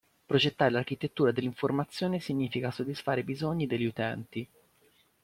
Progettare l'architettura dell'informazione significa soddisfare i bisogni degli utenti.